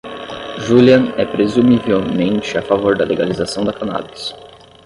Julian é presumivelmente a favor da legalização da cannabis.